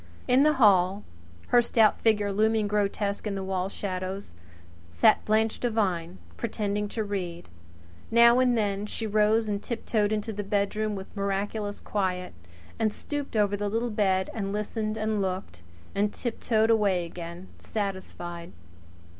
In the hall, her stout figure looming grotesque in wall shadows, sat Blanche Devine pretending to read. Now and then she rose and tiptoed into the bedroom with miraculous quiet, and stooped over the little bed and listened and looked and tiptoed away again, satisfied.